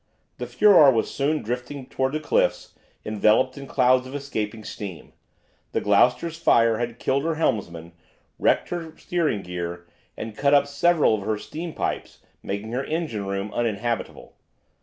The "Furor" was soon drifting towards the cliffs, enveloped in clouds of escaping steam. The "Gloucester's" fire had killed her helmsman, wrecked her steering gear, and cut up several of her steam pipes, making her engine room uninhabitable.